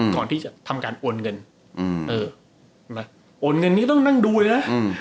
ก่อนที่จะทำการโอนเงินโอนเงินนี้ก็ต้องนั่งดูเลยนะ